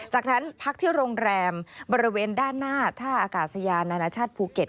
จากนั้นพักที่โรงแรมบริเวณด้านหน้าท่าอากาศยานานาชาติภูเก็ต